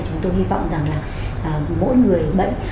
chúng tôi hy vọng rằng mỗi người bệnh